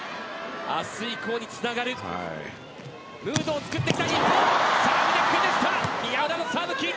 明日以降につながるムードを作ってきた日本。